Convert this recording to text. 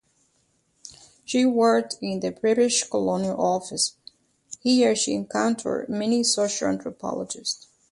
She worked in the British Colonial Office, here she encountered many social anthropologists.